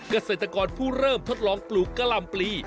เกษตรกรผู้เริ่มทดลองปลูกกะลำปลี